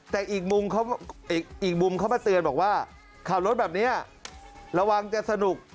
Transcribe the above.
แต่อีกมุมอีกมุมเขามาเตือนบอกว่าขับรถแบบนี้ระวังจะสนุก